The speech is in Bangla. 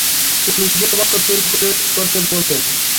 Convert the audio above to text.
তিনি দ্বিতীয় বাক্য তৈরি করতে বলতেন।